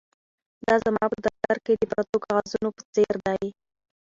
دا زما په دفتر کې د پرتو کاغذونو په څیر دي